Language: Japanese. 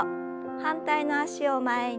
反対の脚を前に。